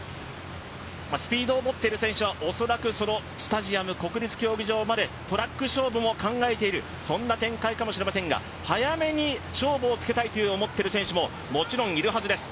スピードを持っている選手は、恐らくスタジアム、国立競技場までトラック勝負も考えているそんな展開かもしれませんが、早めに勝負をつけたいと思っている選手ももちろんいるはずです。